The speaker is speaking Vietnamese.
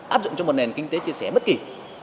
áp dụng cho một nền kinh tế chia sẻ bất kỳ